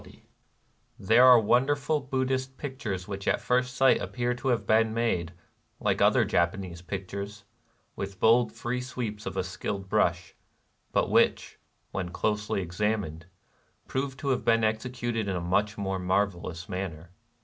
260 NIRVANA There are wonderful Buddhist pictures which at first sight appear to have been made, like other Japanese pictures, with bold free sweeps of a skilled brush, but which, when closely ex amined, prove to have been executed in a much more marvelous manner.